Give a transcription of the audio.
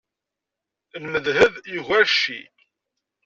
Lmedheb yugar cci.